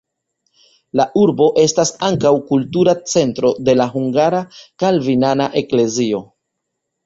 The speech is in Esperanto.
La urbo estas ankaŭ kultura centro de la hungara kalvinana eklezio.